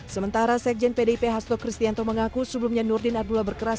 sementara sekjen pdip hasto kristianto mengaku sebelumnya nurdin abdullah berkeras